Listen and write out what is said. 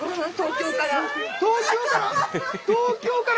東京から？